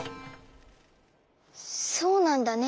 そうなんだね。